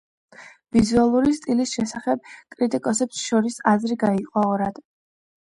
ვიზუალური სტილის შესახებ კრიტიკოსებს შორის აზრი გაიყო ორად.